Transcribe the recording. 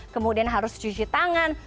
kemudian harus cuci tangan